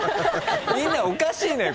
みんなおかしいのよ